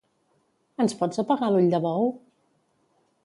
Ens pots apagar l'ull de bou?